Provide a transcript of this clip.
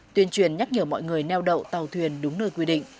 tuyên truyền nhắc nhở mọi người neo đậu tàu thuyền đúng nơi quy định